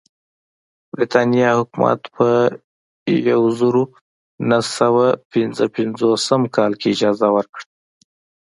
برېټانیا حکومت په یوه زرو نهه سوه پنځه پنځوسم کال کې اجازه ورکړه.